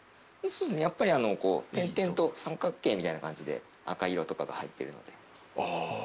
やっぱりこう点々と三角形みたいな感じで赤色とかが入ってるので。